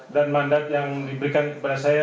dan mandat yang diberikan kepada saya